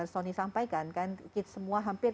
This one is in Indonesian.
sony sampaikan kan semua hampir